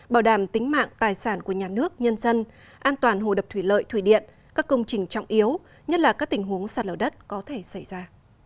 bảo đảm tính mạng tài sản của nhà nước nhân dân an toàn hồ đập thủy lợi thủy điện các công trình trọng yếu nhất là các tình huống sạt lở đất có thể xảy ra